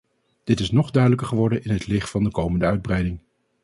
Dit is nog duidelijker geworden in het licht van de komende uitbreiding.